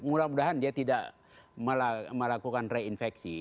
mudah mudahan dia tidak melakukan reinfeksi